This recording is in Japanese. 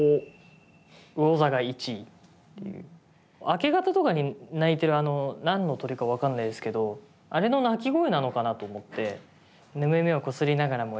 明け方とかに鳴いてるあの何の鳥か分かんないですけどあれの鳴き声なのかなと思って。